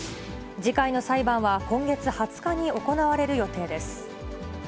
次回の裁判は今月２０日に行われる予定です。